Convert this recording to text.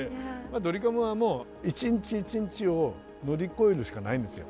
ドリカムはもう一日一日を乗り越えるしかないんですよ。